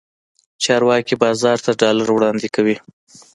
چارواکي بازار ته ډالر وړاندې کوي.